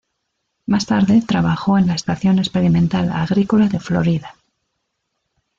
Más tarde trabajó en la Estación Experimental Agrícola de Florida.